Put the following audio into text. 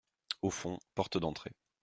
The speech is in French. Au fond, porte d’entrée.